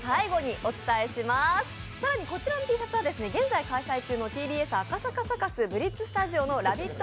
更にこちらのＴシャツは現在開催中のＴＢＳ赤坂サカスＢＬＩＴＺスタジオで開催中のラヴィット！